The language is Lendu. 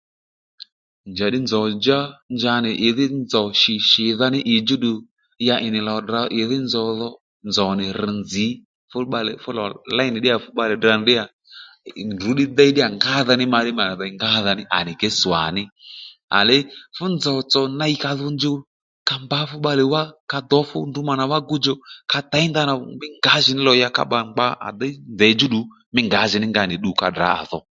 Njàddí nzòw djá njanì ìdhí nzòw shì shìdha ní ì djú ddù ya ì nì lò tdrǎ ì dhí nzòw dho nzòw nì rř nzǐ fú bbalè fúlò léy nì ddí yà fú bbalè tdra nì ddíyà ndrú ddí déy ddí yà ngá-dha ní ma ddí ma rà dey ngádha ní à nì ke swàní à le fú nzòw tsò ney ka dho njuw ka mbǎ fú bbalè wá ka dǒw fúndrǔ mà nà wá gu djò ka těy ndànà mí ngǎjì ní lò ya ka bbà nì bba à déy ndèy djúddù mí ngǎjì ní nga nì ddu ka tdrǎ à dho